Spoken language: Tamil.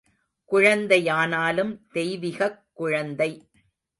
குழந்தையானாலும் தெய்விகக் குழந்தை.